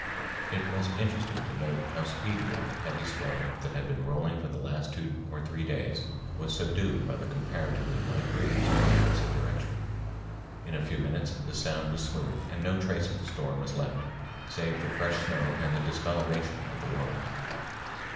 It was interesting to note how speedily the heavy swell that had been rolling for the last two or three days was subdued by the comparatively light breeze from the opposite direction. In a few minutes the sound was smooth and no trace of the storm was left, save the fresh snow and the discoloration of the water.